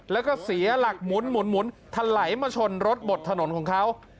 แล้วก็เสียหลักหมุนทะไหลมาชนรถบดถนนของเขา